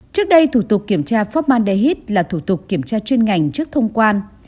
trước đây thủ tục kiểm tra phopman dehit là thủ tục kiểm tra chuyên ngành trước thông quan